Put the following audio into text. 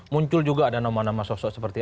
muncul juga ada nama nama sosok seperti